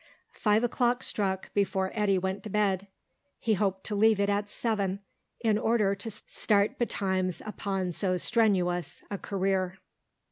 Five o'clock struck before Eddy went to bed. He hoped to leave it at seven, in order to start betimes upon so strenuous a career.